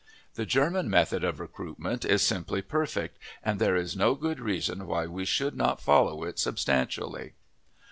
The German method of recruitment is simply perfect, and there is no good reason why we should not follow it substantially.